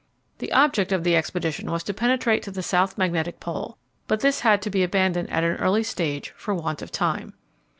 The object of the expedition was to penetrate to the South Magnetic Pole, but this had to be abandoned at an early stage for want of time.